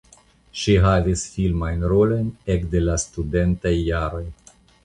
Ŝi havis filmajn rolojn ekde la studentaj jaroj.